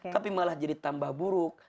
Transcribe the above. tapi malah jadi tambah buruk